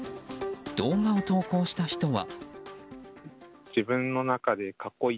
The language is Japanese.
動画を投稿した人は。